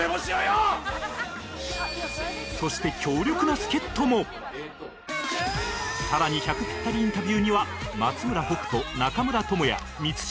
そして更に１００ピッタリインタビューには松村北斗中村倫也満島